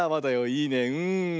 いいねうん。